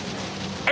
はい！